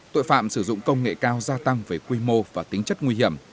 tội phạm sử dụng công nghệ cao gia tăng về quy mô và tính chất nguy hiểm